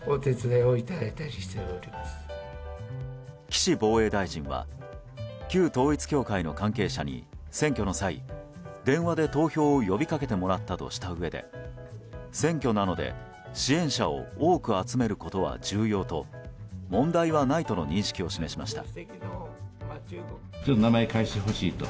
岸防衛大臣は旧統一教会の関係者に選挙の際、電話で投票を呼びかけてもらったとしたうえで選挙なので支援者を多く集めることは重要と問題はないとの認識を示しました。